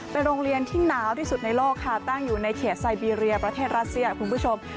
เป็นโรงเรียนที่หนาวที่สุดในโลกค่ะตั้งอยู่ในเขตไซเบียประเทศรัสเซียคุณผู้ชม